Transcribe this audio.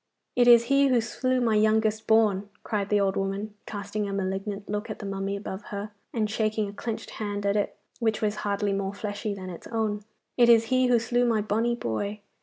'It is he who slew my youngest born,' cried the old woman, casting a malignant look at the mummy above her, and shaking a clenched hand at it which was hardly more fleshy than its own. 'It is he who slew my bonny boy.